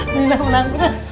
minah menang minah